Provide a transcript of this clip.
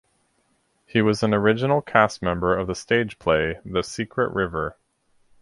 He was an original cast member of the stage play "The Secret River".